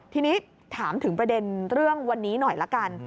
ทีนี้ถามถึงประเด็นเรื่องวันนี้หน่อยละกัน